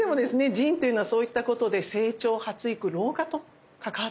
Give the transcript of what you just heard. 腎というのはそういったことで成長発育老化と関わっていくんですね。